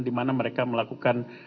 dimana mereka melakukan